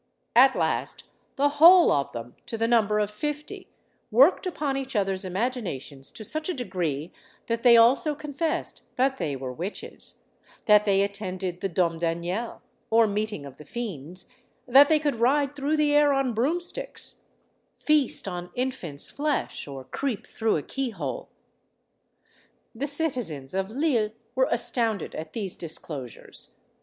At last the whole of them, to the number of fifty, worked upon each other's imaginations to such a degree that they also confessed that they were witches that they attended the Domdaniel, or meeting of the fiends that they could ride through the air on broom sticks, feast on infants' flesh, or creep through a key hole. The citizens of Lille were astounded at these disclosures.